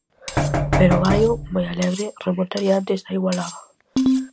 Pero o Baio, moi alegre, remontaría antes da igualada.